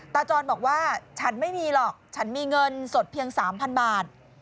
จรบอกว่าฉันไม่มีหรอกฉันมีเงินสดเพียง๓๐๐บาท